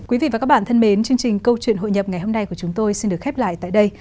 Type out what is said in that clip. quý vị và các bạn thân mến chương trình câu chuyện hội nhập ngày hôm nay của chúng tôi xin được khép lại tại đây